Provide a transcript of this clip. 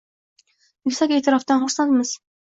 Yuksak eʼtirofdan xursandmiz